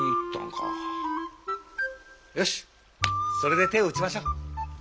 よしそれで手を打ちましょう。